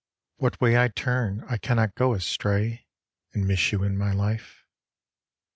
What way I turn I cannot go astray And miss you in my life.